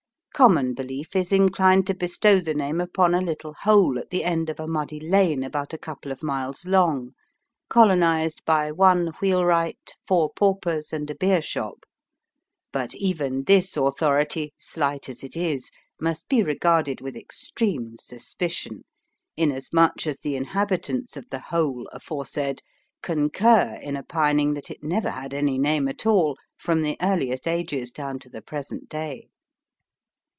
Common belief is inclined to bestow the name upon a little hole at the end of a muddy lane about a couple of miles long, colonised by one wheelwright, four paupers, and a beer shop ; but, even this authority, slight as it is, must be regarded with extreme suspicion, inasmuch as the inhabitants of the hole aforesaid, x 306 Sketches by Boz. concur in opining that it never had any name at all, from the earliest ages down to the present day.